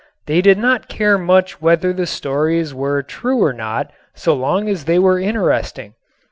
They did not care much whether the stories were true or not so long as they were interesting.